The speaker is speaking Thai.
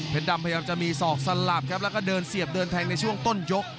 ดำพยายามจะมีศอกสลับครับแล้วก็เดินเสียบเดินแทงในช่วงต้นยก